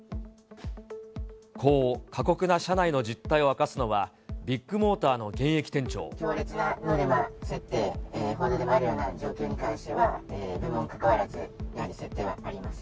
こう、過酷な社内の実態を明かすのは、強烈なノルマ設定、報道でもあるような状況に関しては、部門かかわらずやはり設定はあります。